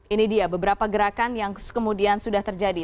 ini dia beberapa gerakan yang kemudian sudah terjadi